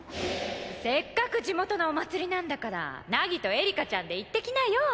せっかく地元のお祭りなんだから凪とエリカちゃんで行ってきなよ！